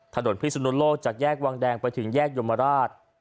ถนนพิศนุโลกจากแยกวังแดงไปถึงแยกยมราช